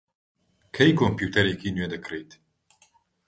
کەی کۆمپیوتەرێکی نوێ دەکڕیت؟